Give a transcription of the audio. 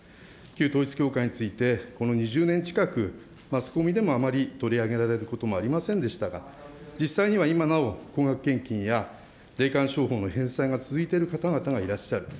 旧統一教会について、この２０年近く、マスコミでもあまり取り上げられることもありませんでしたが、実際には今なお、高額献金や霊感商法の返済が続いている方々がいらっしゃる。